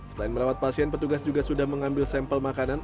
selain merawat pasien petugas juga sudah mengambil sampel makanan